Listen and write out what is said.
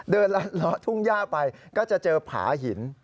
เดินละทุ่งย่าไปก็จะเจอผาหิน